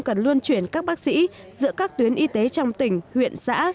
cần luân chuyển các bác sĩ giữa các tuyến y tế trong tỉnh huyện xã